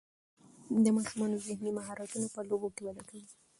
د ماشومانو ذهني مهارتونه په لوبو کې وده کوي.